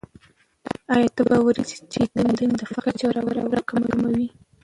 آیا ته باوري یې چې تعلیم د فقر کچه راکموي؟